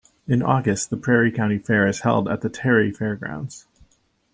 In August, the Prairie County Fair is held at the Terry Fairgrounds.